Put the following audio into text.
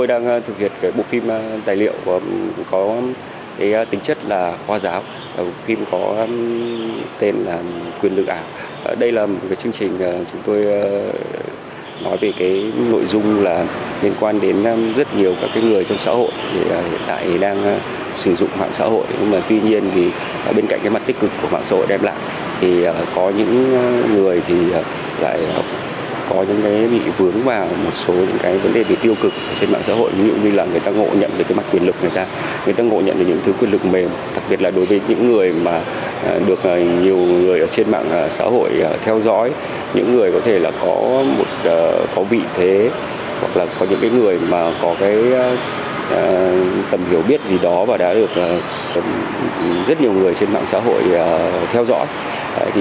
đặc biệt là đối với những người mà được nhiều người trên mạng xã hội theo dõi những người có thể là có vị thế hoặc là có những người mà có tầm hiểu biết gì đó và đã được rất nhiều người trên mạng xã hội theo dõi